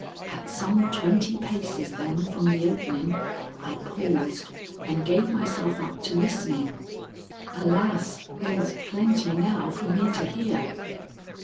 At some twenty paces, then, from the opening, I paused and gave myself up to listening. Alas, there was plenty now for me to hear.